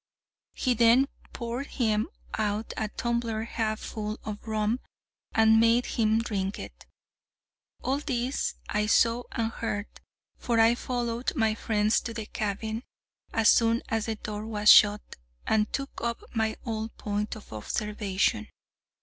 He then poured him out a tumbler half full of rum, and made him drink it. All this I saw and heard, for I followed my friends to the cabin as soon as the door was shut, and took up my old point of observation.